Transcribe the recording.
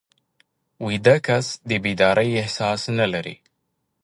ویده کس د بیدارۍ احساس نه لري